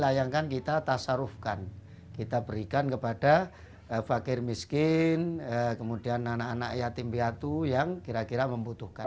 sayangkan kita tasarufkan kita berikan kepada fakir miskin kemudian anak anak yatim piatu yang kira kira membutuhkan